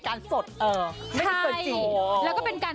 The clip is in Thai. กับเพลงที่มีชื่อว่ากี่รอบก็ได้